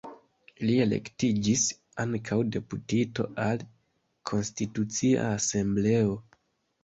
Li elektiĝis ankaŭ deputito al Konstitucia Asembleo.